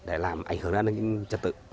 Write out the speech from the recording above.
để làm ảnh hưởng ra những